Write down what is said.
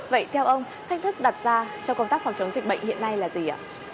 vậy theo ông thách thức đặt ra cho công tác phòng chống dịch bệnh hiện nay là gì ạ